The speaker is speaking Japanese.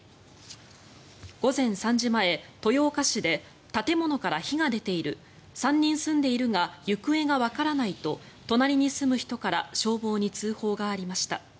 午前３時前、豊岡市で建物から火が出ている３人住んでいるが行方がわからないと隣に住む人から消防に通報がありました。